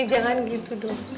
ih jangan gitu dong